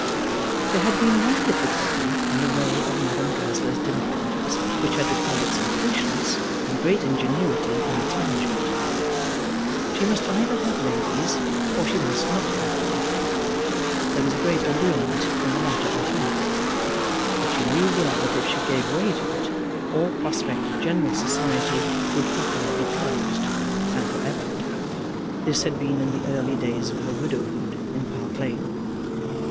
There had been one difficulty in the way of Madame Goesler's dinner parties which had required some patience and great ingenuity in its management. She must either have ladies, or she must not have them. There was a great allurement in the latter alternative; but she knew well that if she gave way to it, all prospect of general society would for her be closed, and for ever. This had been in the early days of her widowhood in Park Lane.